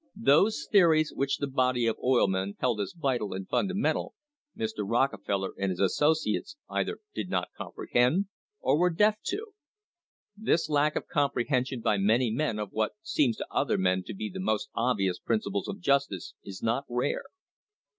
Those theories which the body of oil men held as vital and fundamental Mr. Rockefeller and his associates either did not comprehend or were deaf to. This lack of comprehension by many men of what seems to other men to be the most obvious principles of justice is not rare.